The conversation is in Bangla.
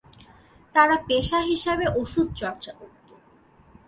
তারা পেশা হিসাবে ওষুধ চর্চা করত।